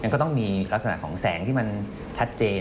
ก็ต้องมีลักษณะของแสงที่มันชัดเจน